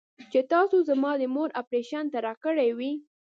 چې تاسو زما د مور اپرېشن ته راكړې وې.